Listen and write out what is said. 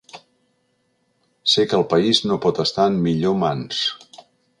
Sé que el país no pot estar en millor mans.